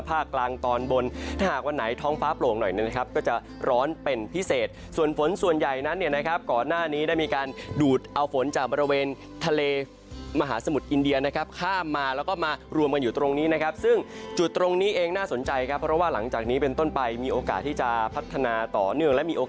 กลางตอนบนถ้าหากวันไหนท้องฟ้าโปร่งหน่อยนะครับก็จะร้อนเป็นพิเศษส่วนฝนส่วนใหญ่นั้นเนี่ยนะครับก่อนหน้านี้ได้มีการดูดเอาฝนจากบริเวณทะเลมหาสมุทรอินเดียนะครับข้ามมาแล้วก็มารวมกันอยู่ตรงนี้นะครับซึ่งจุดตรงนี้เองน่าสนใจครับเพราะว่าหลังจากนี้เป็นต้นไปมีโอกาสที่จะพัฒนาต่อเนื่องและมีโอ